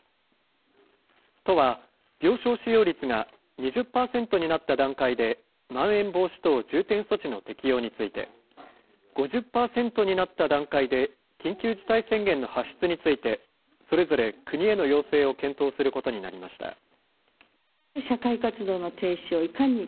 都は、病床使用率が２０％になった段階で、まん延防止等重点措置の適用について、５０％になった段階で、緊急事態宣言の発出について、それぞれ国への要請を検討することになりました。